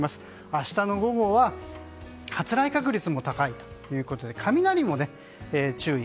明日の午後は発雷確率も高いということで雷も注意。